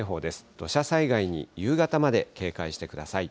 土砂災害に夕方まで警戒してください。